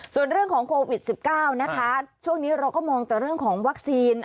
ส่วนเรื่องของโควิด๑๙นะคะช่วงนี้เราก็มองแต่เรื่องของวัคซีน